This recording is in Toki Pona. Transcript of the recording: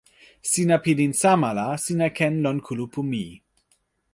sina pilin sama la sina ken lon kulupu mi.